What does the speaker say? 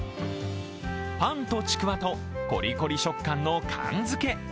パンとちくわとコリコリ食感の寒漬。